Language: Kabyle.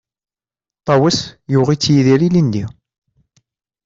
Ṭawes yuɣ-itt Yidir ilindi.